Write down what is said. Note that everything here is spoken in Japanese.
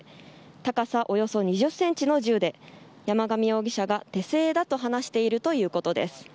高さおよそ２０センチの銃で山上容疑者が手製だと話しているということです。